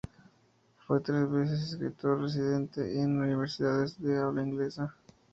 Fue tres veces escritor residente en universidades de habla inglesa.